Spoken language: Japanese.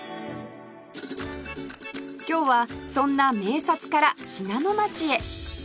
今日はそんな名刹から信濃町へ